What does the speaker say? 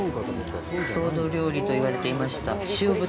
郷土料理といわれていました塩豚。